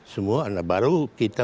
semua baru kita